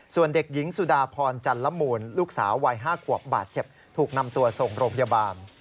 ส่วนเด็กหญิงสุดาพรจันละมูลลูกสาววัย๕ขวบบาดเจ็บถูกนำตัวส่งโรงพยาบาล